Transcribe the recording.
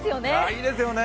いいですよね。